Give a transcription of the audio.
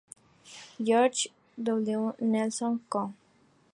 George W. Nelson, Co.